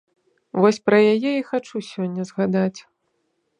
Вось пра яе і хачу сёння згадаць.